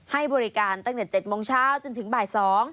ให้บริการตั้งแต่๗โมงเช้าจนถึงบ่าย๒